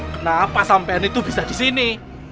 kenapa sampai ini bisa disini